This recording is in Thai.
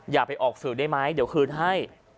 อย่าไปออกสื่อได้ไหมเดี๋ยวคืนให้